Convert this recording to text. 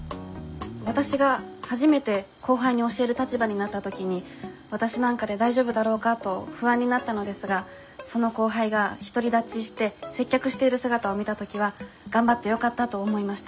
わたしが初めて後輩に教える立場になった時にわたしなんかで大丈夫だろうかと不安になったのですがその後輩が独り立ちして接客している姿を見た時は頑張ってよかったと思いました。